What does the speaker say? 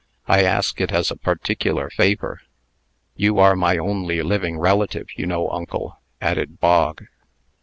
"I ask it as a particular favor." "You are my only living relative, you know, uncle," added Bog.